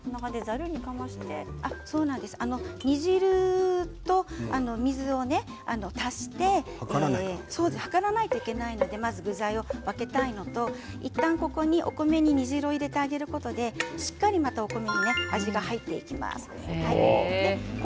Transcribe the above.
煮汁と水を足して計らないといけないのでまず具材を分けたいのといったんお米に煮汁を入れてあげることでしっかりとまたお米に味が入っていきます。